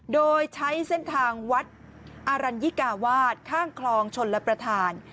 โดยใช้เส้นทางวัดอรัญญิกาวาสข้างคลองชนรับประทาน